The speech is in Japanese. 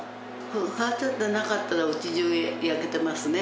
不発じゃなかったら、うち中焼けてますね。